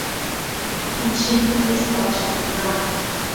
Ansin, liostáil sé san arm.